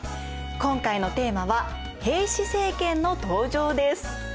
今回のテーマは「平氏政権の登場」です。